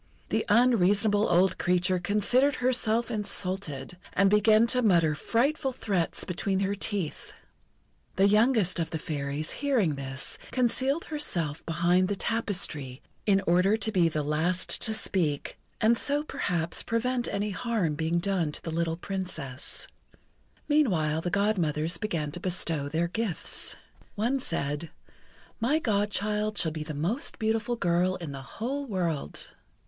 The unreasonable old creature considered herself insulted, and began to mutter frightful threats between her teeth. The youngest of the Fairies, hearing this, concealed herself behind the tapestry, in order to be the last to speak, and so perhaps prevent any harm being done to the little Princess. Meanwhile the Godmothers began to bestow their gifts. One said: "My Godchild shall be the most beautiful girl in the whole world."